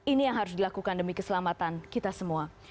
ini yang harus dilakukan demi keselamatan kita semua